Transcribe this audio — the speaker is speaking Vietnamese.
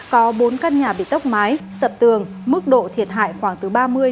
có bốn căn nhà bị tốc mái sập tường mức độ thiệt hại khoảng từ ba mươi sáu mươi